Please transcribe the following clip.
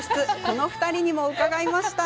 この２人に伺いました！